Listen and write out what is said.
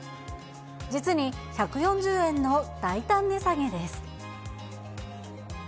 実に１４０円の大胆値下げです。